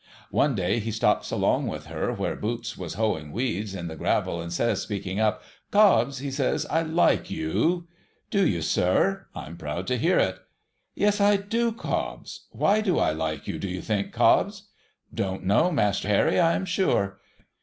One day he stops, along with her, where Boots was hoeing weeds in the gravel, and says, speaking up, ' Cobbs,' he says, ' I like yoii.^ ' Do you, sir ? I'm proud to hear it.' ' Yes, I do, Cobbs. Why do I like you, do you think, Cobbs ?'' Don't know. Master Harry, I am sure.'